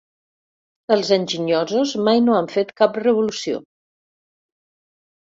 Els enginyosos mai no han fet cap revolució.